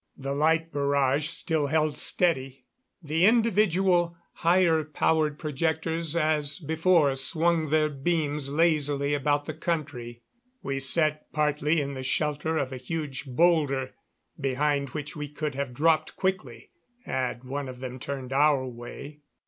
The light barrage still held steady. The individual, higher powered projectors as before swung their beams lazily about the country. We sat partly in the shelter of a huge bowlder, behind which we could have dropped quickly had one of them turned our way.